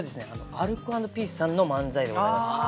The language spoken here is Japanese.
アルコ＆ピースさんの漫才でございます。